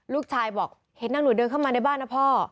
ลูกชายบอกเห็นนางหนูเดินเข้ามาในบ้านนะพ่อ